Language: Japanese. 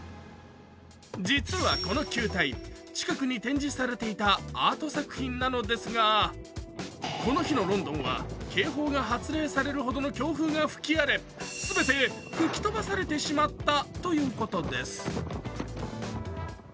実はこの球体近くに展示されていたアート作品なのですがこの日のロンドンは、警報が発令されるほどの強風が吹き荒れ、全て吹き飛ばされてしまったということです。